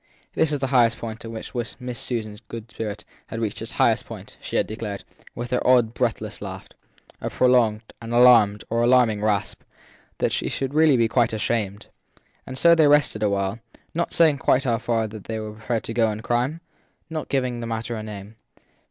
This was the moment at which Miss Susan s spirit had reached its highest point: she had declared, with her odd, breathless laugh, a prolonged, an alarmed or alarming gasp, that she should really be quite ashamed. And so they rested awhile ; not saying quite how far they were prepared to go in crime not giving the matter a name.